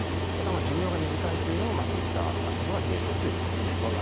寿命が短いというのもそういったことが比例してるということです。